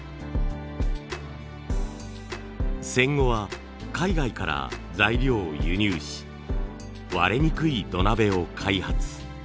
戦後は海外から材料を輸入し割れにくい土鍋を開発。